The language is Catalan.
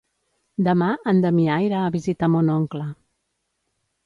Demà en Damià irà a visitar mon oncle.